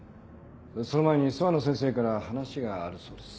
その前に諏訪野先生から話があるそうです。